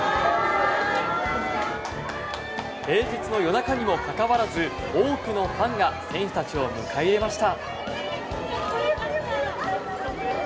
平日の夜中にもかかわらず多くのファンが選手たちを迎え入れました。